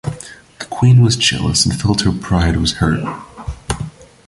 The Queen was jealous and felt her pride was hurt.